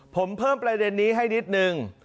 ผมเพิ่มประเด็นนี้ให้นิดนึง